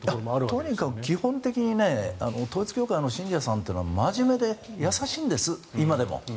とにかく基本的に統一教会の信者さんというのは真面目で優しいんです、今でも。